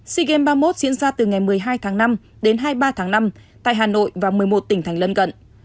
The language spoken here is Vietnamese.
sea games ba mươi một diễn ra từ ngày một mươi hai tháng năm đến hai mươi ba tháng năm tại hà nội và một mươi một tỉnh thành lân cận